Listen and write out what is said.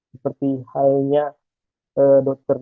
seperti halnya dokter